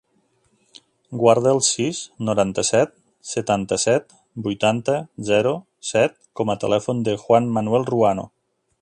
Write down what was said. Guarda el sis, noranta-set, setanta-set, vuitanta, zero, set com a telèfon del Juan manuel Ruano.